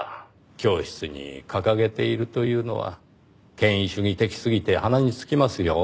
教室に掲げているというのは権威主義的すぎて鼻につきますよ。